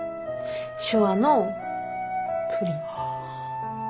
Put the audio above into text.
手話のプリン。